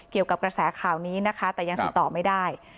เกี่ยวกับกระแสข่าวนี้นะคะแต่ยังติดต่อไม่ได้